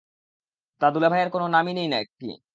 তা দুলাভাইয়ের কোনো নাম নেই না কি?